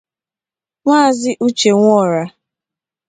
Maazị Uche Nwọrah